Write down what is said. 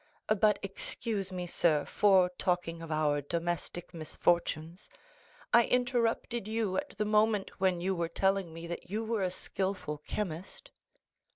But excuse me, sir, for talking of our domestic misfortunes; I interrupted you at the moment when you were telling me that you were a skilful chemist."